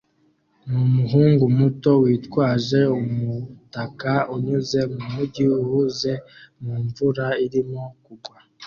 numuhungu muto witwaje umutaka unyuze mumujyi uhuze mumvura irimo kugwa